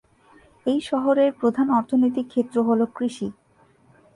এই শহরের প্রধান অর্থনৈতিক ক্ষেত্র হ'ল কৃষি।